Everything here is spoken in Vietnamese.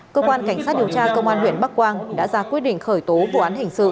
cơ quan cảnh sát điều tra công an huyện bắc quang đã ra quyết định khởi tố vụ án hình sự